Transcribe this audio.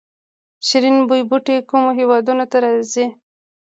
شیرین بویې بوټی کومو هیوادونو ته ځي؟